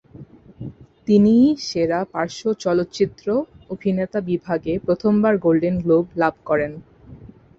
তিনিই সেরা পার্শ্ব চলচ্চিত্র অভিনেতা বিভাগে প্রথমবার গোল্ডেন গ্লোব লাভ করেন।